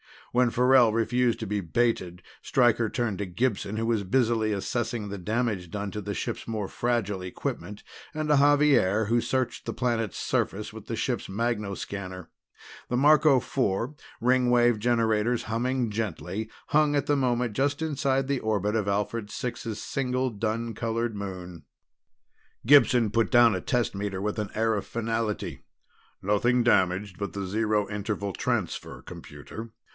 When Farrell refused to be baited Stryker turned to Gibson, who was busily assessing the damage done to the ship's more fragile equipment, and to Xavier, who searched the planet's surface with the ship's magnoscanner. The Marco Four, Ringwave generators humming gently, hung at the moment just inside the orbit of Alphard Six's single dun colored moon. Gibson put down a test meter with an air of finality. "Nothing damaged but the Zero Interval Transfer computer.